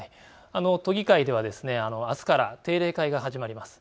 都議会ではあすから定例会が始まります。